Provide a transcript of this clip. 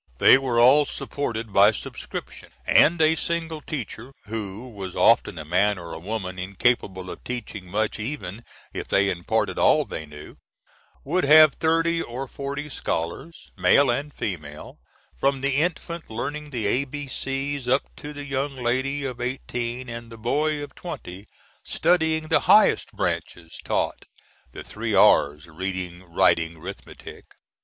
They were all supported by subscription, and a single teacher who was often a man or a woman incapable of teaching much, even if they imparted all they knew would have thirty or forty scholars, male and female, from the infant learning the A B C's up to the young lady of eighteen and the boy of twenty, studying the highest branches taught the three R's, "Reading, 'Riting, 'Rithmetic."